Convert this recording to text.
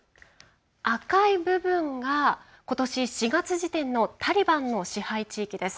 赤い部分が、ことし４月時点のタリバンの支配地域です。